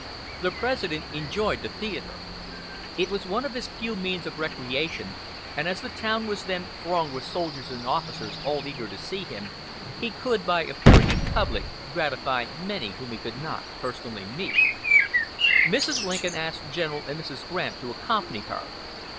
The President enjoyed the theatre. It was one of his few means of recreation, and as the town was then thronged with soldiers and officers all eager to see him, he could, by appearing in public, gratify many whom he could not personally meet. Mrs. Lincoln asked General and Mrs. Grant to accompany her.